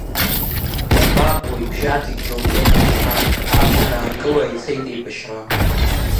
Иабаҟоу, ибжьаӡит џьоукы рхәыҷра, абџьар аанкыла ицеит еибашьра.